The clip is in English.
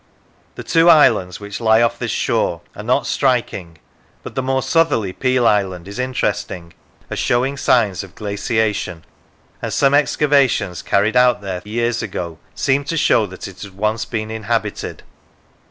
The two islands, which lie off this shore, are not striking, but the more southerly, Peel Island, is interesting as showing signs of glaciation, and some excavations carried out there years ago seemed to show that it had once been inhabited.